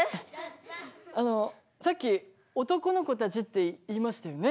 あのさっき男の子たちって言いましたよね。